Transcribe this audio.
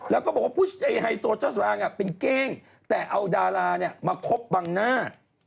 แล้วก็บอกว่าไฮโซเจ้าสำรางเป็นเก้งแต่เอาดารามาคบบังหน้า